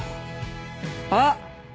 あっ！